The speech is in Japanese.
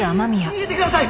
逃げてください！